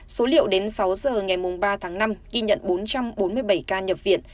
số liệu đến sáu giờ ngày ba tháng năm ghi nhận bốn trăm bốn mươi bảy ca nhập viện